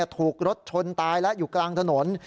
ถูกรถชนตายแล้วอยู่กลางถนน